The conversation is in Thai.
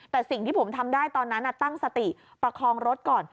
แต่สิ่งที่ผมทำได้ตอนนั้นตั้งสติประคองรถก่อน